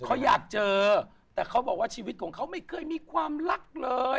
เขาอยากเจอแต่เขาบอกว่าชีวิตของเขาไม่เคยมีความรักเลย